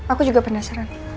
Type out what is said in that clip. aku juga penasaran